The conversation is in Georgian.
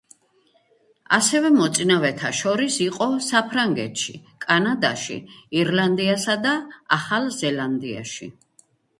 ასევე მოწინავეთა შორის იყო საფრანგეთში, კანადაში, ირლანდიასა და ახალ ზელანდიაში.